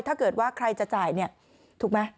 ถ้าเกิดว่าใครจะจ่ายเนี่ยถูกไหม